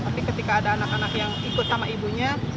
tapi ketika ada anak anak yang ikut sama ibunya